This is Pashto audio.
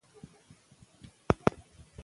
کابل د افغانستان د فرهنګي فستیوالونو برخه ده.